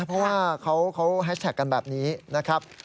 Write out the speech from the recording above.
เพราะว่าเขาแฮชแท็กกันแบบนี้นะครับ